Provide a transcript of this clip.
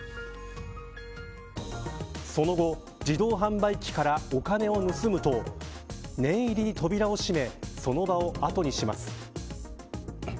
その後、自動販売機からお金を盗むと念入りに扉を閉めその場を後にします。